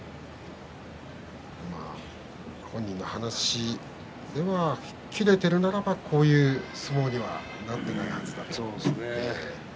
本人の話では吹っ切れているならばこういう相撲にはなっていないはずだと言っています。